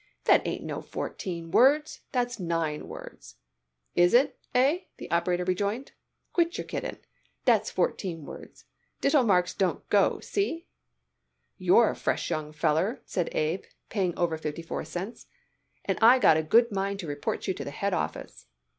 That ain't no fourteen words. That's nine words." "It is, hey?" the operator rejoined. "Quit yer kiddin'. Dat's fourteen words. Ditto marks don't go, see?" "You're a fresh young feller," said Abe, paying over fifty four cents, "and I got a good mind to report you to the head office."